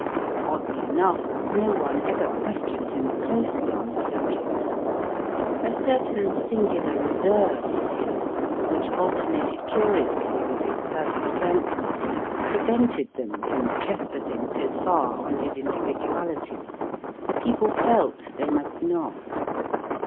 Oddly enough, no one ever questioned him closely on the subject. A certain singular reserve of his, which alternated curiously with his perfect frankness, prevented them from trespassing so far on his individuality. People felt they must not.